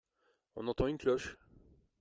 On entend une cloche.